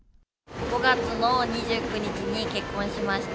５月の２９日に結婚しました。